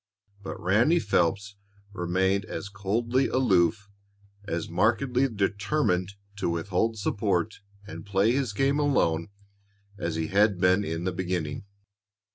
But Ranny Phelps remained as coldly aloof, as markedly determined to withhold support and play his game alone as he had been in the beginning.